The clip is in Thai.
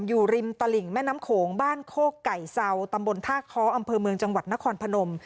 อยู่ริมตลิ่งแม่น้ำโขงบ้านโคกไก่เซาตำบลท่าค้ออำเภอเมืองจังหวัดนครพนม